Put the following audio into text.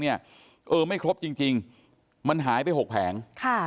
เออไม่ครบจริงมันหายไป๖แผง